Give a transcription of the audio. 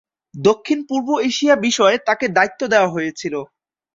দক্ষিণপূর্ব এশিয়া বিষয়ে তাকে দায়িত্ব দেয়া হয়েছিল।